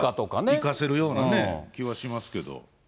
生かせるような気はしますけど。